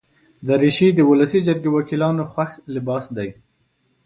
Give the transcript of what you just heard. دریشي د ولسي جرګې وکیلانو خوښ لباس دی.